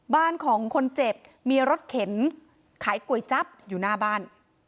บ้านของคนเจ็บมีรถเข็นขายก๋วยจั๊บอยู่หน้าบ้าน